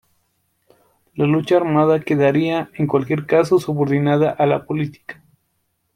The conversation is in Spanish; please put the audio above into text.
La lucha armada quedaría en cualquier caso subordinada a la política.